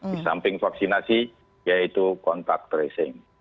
di samping vaksinasi yaitu kontak tracing